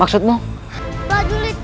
anda sudah bekommen iklan